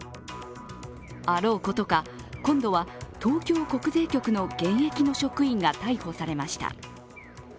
あろうことか、今度は東京国税局の現役の職員が逮捕されました。